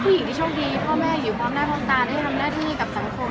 ผู้หญิงที่โชคดีพ่อแม่อยู่พร้อมหน้าพร้อมตาได้ทำหน้าที่กับสังคม